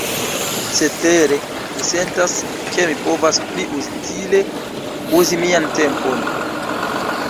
Cetere, mi sentas, ke mi povas pli utile uzi mian tempon.